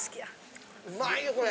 うまいよこれ。